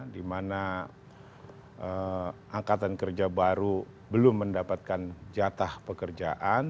di mana angkatan kerja baru belum mendapatkan jatah pekerjaan